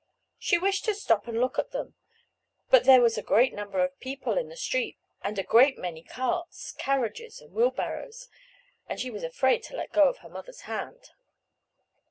She wished to stop to look at them, but there was a great number of people in the streets, and a great many carts, carriages, and wheelbarrows, and she was afraid to let go her mother's hand.